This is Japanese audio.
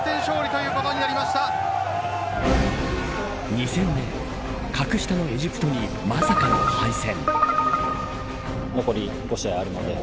２戦目、格下のエジプトにまさかの敗戦。